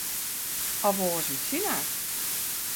Of oars út Sina.